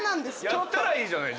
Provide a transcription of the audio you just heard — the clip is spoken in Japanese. やったらいいじゃない。